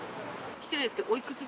失礼ですけど。